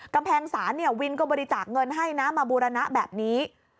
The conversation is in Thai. กำแพงศาลเนี่ยวินก็บริจาคเงินให้นะมาบูรณะแบบนี้